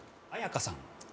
絢香さん。